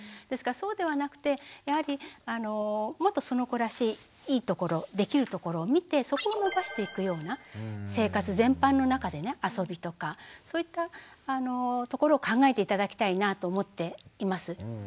ですからそうではなくてやはりもっとその子らしいいいところできるところを見てそこを伸ばしていくような生活全般のなかでね遊びとかそういったところを考えて頂きたいなと思っています。